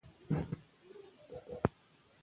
چې قدم مې د ځوانۍ په درشل کېښود